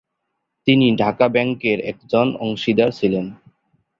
তিনি ঢাকা ব্যাংকের একজন অংশীদার ছিলেন।